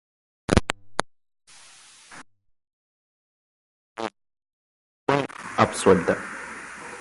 La esposa de Derby-Lewis, Gaye, fue absuelta.